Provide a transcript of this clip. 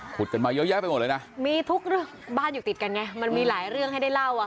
พูดแต่คำก็สองคำก็เนี่ยเหรอลูกกูคุยกันอ่ะ